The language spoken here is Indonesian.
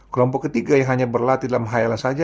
kelompok ketiga yang hanya berlatih dalam hal saja